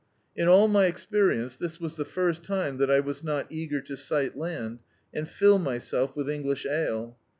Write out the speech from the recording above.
In all my experience this was the first time that I was not eager to sight land, and fill myself with English ale.